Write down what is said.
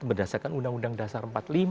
berdasarkan undang undang dasar empat puluh lima